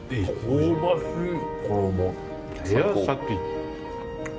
香ばしい衣。